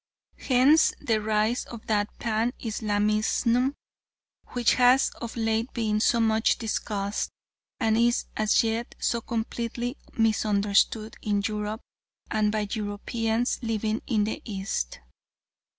Hence the rise of that Pan Islamism which has of late been so much discussed and is as yet so completely misunderstood in Europe and by Europeans living in the East.